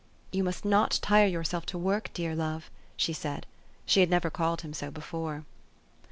" You must not tire yourself to work, dear love," she said. She had never called him so before.